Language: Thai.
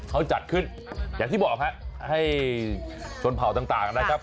เขาจัดขึ้นอย่างที่บอกฮะให้ชนเผ่าต่างนะครับ